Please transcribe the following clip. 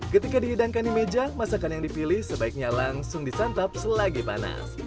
ketika dihidangkan di meja masakan yang dipilih sebaiknya langsung disantap selagi panas